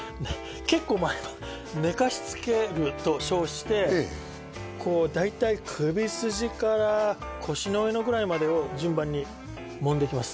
結構毎晩寝かしつけると称してこう大体首筋から腰の上ぐらいまでを順番にもんでいきます